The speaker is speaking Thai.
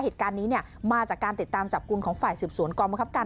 เหตุการณ์นี้มาจากการติดตามจับกุญของฝ่ายสิบศูนย์กรมคับการ